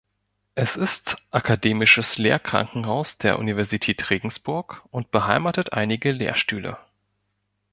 Es ist akademisches Lehrkrankenhaus der Universität Regensburg und beheimatet einige Lehrstühle.